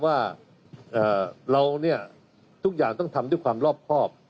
ว่าเราเนี่ยทุกอย่างต้องทำด้วยความรอบครอบ